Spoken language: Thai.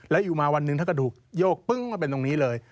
แล้วอยู่มาวันหนึ่งท่านก็ถูกโยกปึ้งมาเป็นตรงนี้เลย